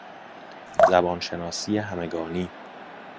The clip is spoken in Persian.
زبان شناسی همگانی